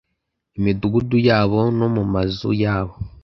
imidugudu yabo no mu mazu yabo